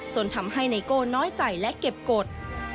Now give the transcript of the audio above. จนทำให้ไนโก้น้อยใจและเก็บกฎ